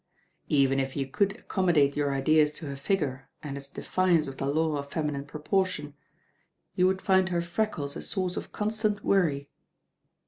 ••Even if you could accommodate your ideas to her figure and its defiance of the law of feminine proportion, you would find her freckles a source of constant worry.